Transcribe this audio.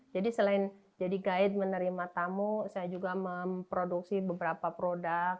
jadi selain jadi guide menerima tamu saya juga memproduksi beberapa produk